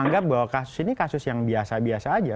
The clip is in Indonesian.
dan menganggap bahwa kasus ini hanya kasus yang biasa biasa saja